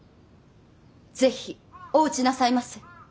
是非お討ちなさいませ。